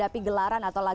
begitulah saja apa beres dua